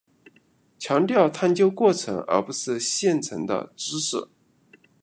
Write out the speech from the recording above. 强调探究过程而不是现成的知识。